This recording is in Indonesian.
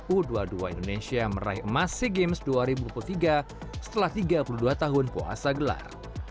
u dua puluh dua indonesia meraih emas sea games dua ribu dua puluh tiga setelah tiga puluh dua tahun puasa gelar